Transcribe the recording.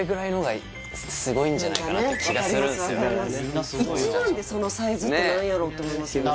１万でそのサイズって何やろうって思いますよね